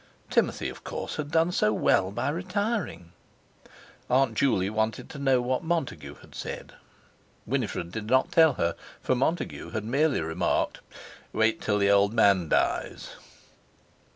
Timothy, of course, had done so well by retiring. Aunt Juley wanted to know what Montague had said. Winifred did not tell her, for Montague had merely remarked: "Wait till the old man dies."